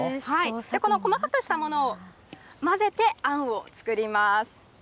この細かくしたものを混ぜて、あんを作ります。